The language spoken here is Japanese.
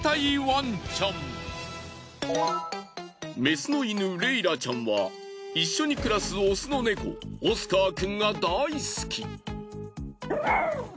メスの犬レイラちゃんは一緒に暮らすオスのネコオスカーくんが大好き。